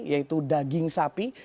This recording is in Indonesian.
yaitu daging sapi